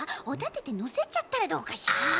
おだててのせちゃったらどうかしら？